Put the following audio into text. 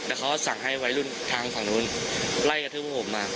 แต่เขาสั่งให้ไว้รุ่นทางของนู้นไล่กระทึกหัวผมมา